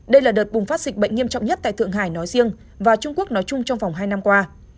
đây là đợt bùng phát dịch bệnh nghiêm trọng nhất tại thượng hải nói riêng và trung quốc nói chung trong vòng hai năm qua